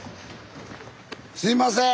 すいません！